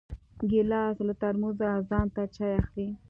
ګیلاس له ترموزه ځان ته چای اخلي.